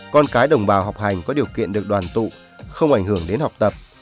con cái đồng bào học hành có điều kiện được đoàn tụ không ảnh hưởng đến học tập